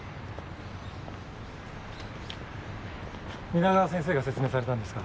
皆川先生が説明されたんですか？